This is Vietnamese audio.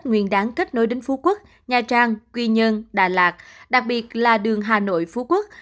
nguyên đáng kết nối đến phú quốc nha trang quy nhơn đà lạt đặc biệt là đường hà nội phú quốc